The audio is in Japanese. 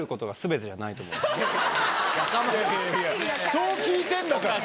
そう聞いてるんだから。